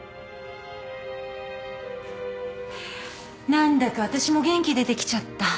何だか私も元気出てきちゃった。